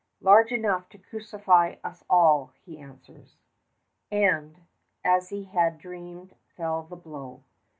"Large enough to crucify us all," he answers. And, as he had dreamed, fell the blow.